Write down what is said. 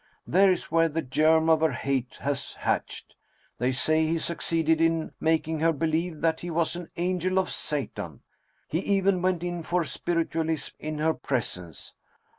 There is where the germ of her hate was hatched. They say he succeeded in making her believe that he was an angel of Satan. He even went in for spiritualism in her presence